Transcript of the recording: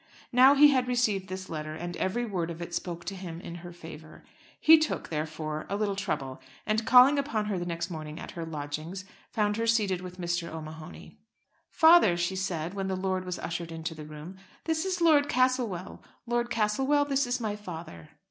Now he had received this letter, and every word of it spoke to him in her favour. He took, therefore, a little trouble, and calling upon her the next morning at her lodgings, found her seated with Mr. O'Mahony. "Father," she said, when the lord was ushered into the room, "this is Lord Castlewell. Lord Castlewell, this is my father."